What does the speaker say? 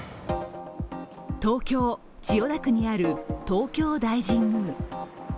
東京・千代田区にある東京大神宮。